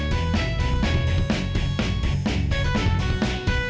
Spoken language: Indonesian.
soalnya kita harus buru buru nih